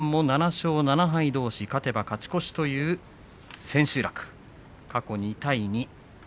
この一番も７勝７敗どうし勝てば勝ち越しという千秋楽過去２対２。